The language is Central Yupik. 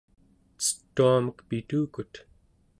cetuamek pitukut